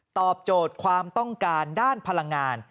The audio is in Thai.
ตอบโจทย์ความต้องการด้านพลังงาน